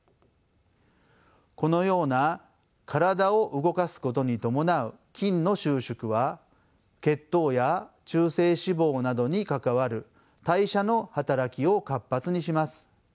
このような体を動かすことに伴う筋の収縮は血糖や中性脂肪などに関わる代謝の働きを活発にします。